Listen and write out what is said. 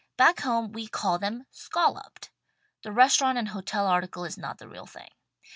Back home we call them "scolloped." The restaurant and hotel article is not the real thing.